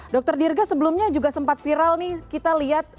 dr dirga sebelumnya juga sempat viral nih kita lihat